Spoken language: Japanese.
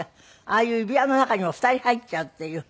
ああいう指輪の中にも２人入っちゃうっていう。